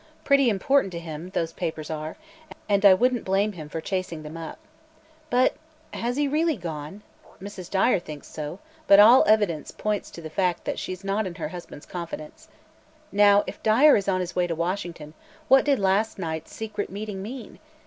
Pretty important to him, those papers are, and I wouldn't blame him for chasing them up. But has he really gone? Mrs. Dyer thinks so; but all evidence points to the fact that she's not in her husband's confidence. Now, if Dyer is on his way to Washington, what did last night's secret meeting mean?